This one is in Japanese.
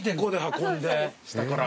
下から。